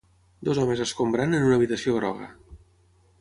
Dos homes escombrant en una habitació groga